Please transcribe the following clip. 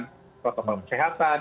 kita harus melakukan protokol kesehatan